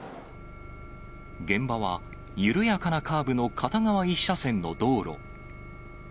現場は緩やかなカーブの片側１車線の道路。